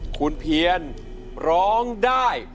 คุณเพลงร้องได้